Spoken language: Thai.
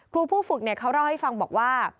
ผู้ฝึกเขาเล่าให้ฟังบอกว่า